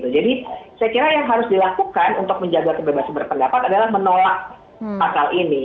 jadi saya kira yang harus dilakukan untuk menjaga kebebasan berpendapat adalah menolak pasal ini